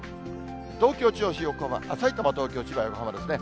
東京、銚子、横浜、あっ、さいたま、東京、千葉、横浜ですね。